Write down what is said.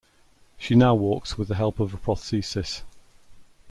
She now walks with the help of a prosthesis.